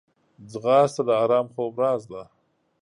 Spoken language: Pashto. ځغاسته د ارام خوب راز ده